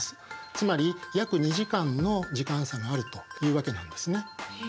つまり約２時間の時間差があるというわけなんですね。